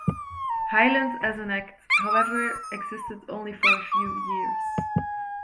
Highland as an act; however, existed only for a few years.